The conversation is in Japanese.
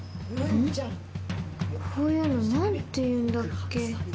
こういうの何て言うんだっけ？